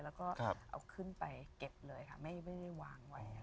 แล้วก็เอาขึ้นไปเก็บเลยค่ะไม่ได้วางไว้